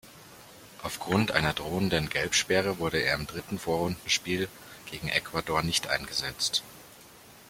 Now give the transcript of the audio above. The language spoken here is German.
Aufgrund einer drohenden Gelbsperre wurde er im dritten Vorrundenspiel gegen Ecuador nicht eingesetzt.